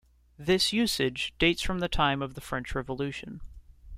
This usage dates from the time of the French Revolution.